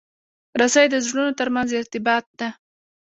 رسۍ د زړونو ترمنځ ارتباط ده.